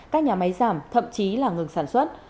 các nhà máy giảm thậm chí là ngừng sản xuất